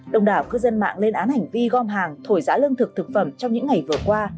đồng đảo cư dân mạng lên án hành vi gom hàng thổi giá lương thực thực phẩm trong những ngày vừa qua